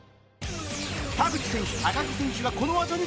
田口選手鷹木選手がこの技に投票